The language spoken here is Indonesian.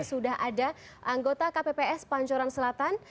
sudah ada anggota kpps pancoran selatan